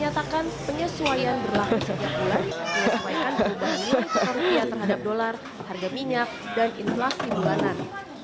yang disampaikan berubahnya rupiah terhadap dolar harga minyak dan inflasi bulanan